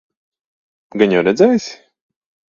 Gan jau redzēsi?